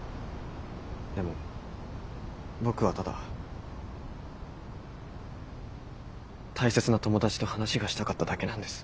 でも僕はただ大切な友達と話がしたかっただけなんです。